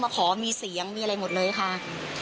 ให้ไลฟ์เสร็จด่า